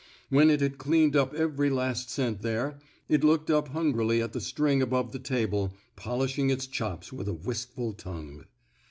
When it had cleaned up every last scent there, it looked up hungrily at the string above the table, polishing its chops with a wistful tongue.